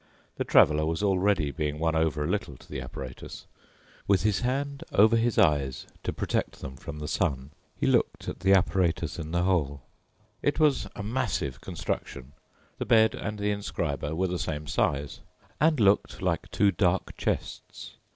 The Traveler was already being won over a little to the apparatus. With his hand over his eyes to protect them from the sun, he looked at the apparatus in the hole. It was a massive construction. The bed and the inscriber were the same size and looked like two dark chests.